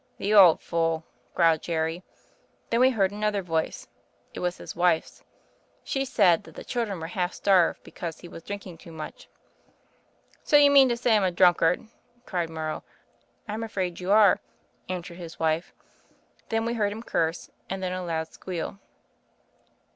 *The old fool,' growled Jerry. Then we heard an other voice. It was his wife's. She said that 'the children were half starved because he was drinking too much. " 'So you mean to say I'm a drunkard?' cried Morrow. 'I'm afraid you are,' answered his wife. Then we heard him curse, and then a loud squeal."